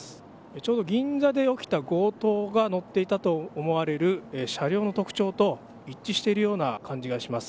ちょうど、銀座で起きた強盗が乗っていたと思われる車両の特徴と一致しているような感じがします。